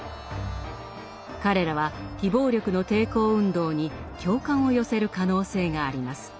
彼らは非暴力の抵抗運動に共感を寄せる可能性があります。